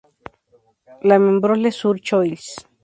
La Membrolle-sur-Choisille